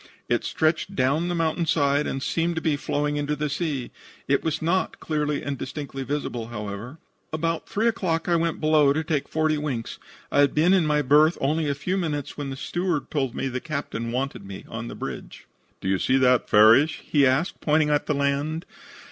It stretched down the mountain side, and seemed to be flowing into the sea. It was not clearly and distinctly visible, however. "About 3 o'clock I went below to take forty winks. I had been in my berth only a few minutes when the steward told me the captain wanted me on the bridge. "'Do you see that, Farrish?' he asked, pointing at the land.